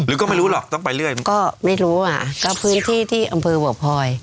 ก็ไม่รู้หรอกต้องไปเรื่อยมันก็ไม่รู้อ่ะก็พื้นที่ที่อำเภอบ่อพลอย